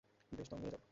বেশ, দম নিয়ে নাও।